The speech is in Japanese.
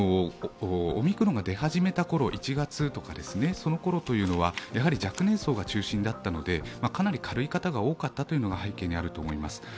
オミクロンが手始めたころ、１月とかそのころは、若年層が中心だったのでかなり軽い方が多かったのが背景にあると思います。